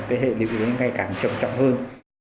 cái hệ lụy này ngày càng trọng trọng hơn